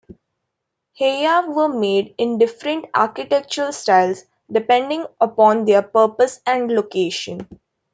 Heiau were made in different architectural styles depending upon their purpose and location.